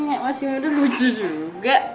nya masih muda lucu juga